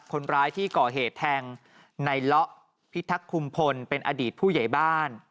คนร้ายที่ก่อเหตุแทงในเลาะพิทักษุมพลเป็นอดีตผู้ใหญ่บ้าน